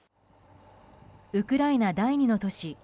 ウクライナ第２の都市